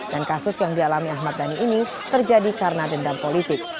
dan kasus yang dialami ahmad dhani ini terjadi karena dendam politik